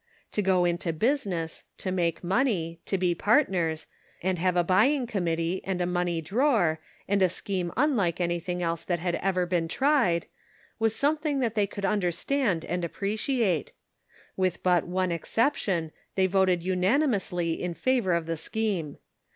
To go into business, to make money, to be partners, and have a buying committee and a money drawer, and a scheme unlike anything else that had ever been tried, was something that they could understand and appreciate ; with but one exception, they voted unanimously in favor of the scheme.